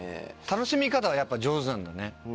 楽しみ方がやっぱ上手なんだね